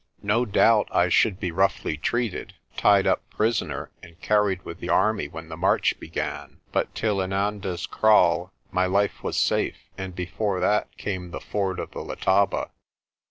No doubt I should be roughly treated, tied up prisoner, and carried with the army when the march began. But till Inanda's Kraal my life was safe, and before that came the ford of the Letaba.